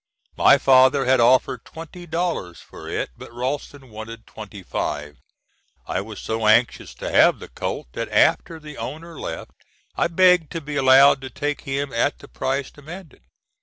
My father had offered twenty dollars for it, but Ralston wanted twenty five. I was so anxious to have the colt, that after the owner left, I begged to be allowed to take him at the price demanded.